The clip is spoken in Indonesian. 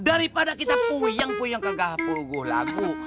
daripada kita puyeng puyeng ke gapul gulagu